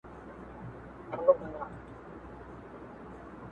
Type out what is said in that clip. دغسې رنګین خیالونه ول